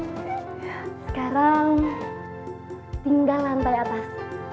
sekarang tinggal lantai atas